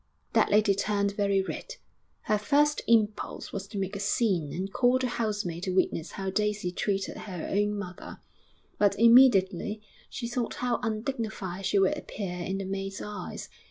That lady turned very red. Her first impulse was to make a scene and call the housemaid to witness how Daisy treated her own mother; but immediately she thought how undignified she would appear in the maid's eyes.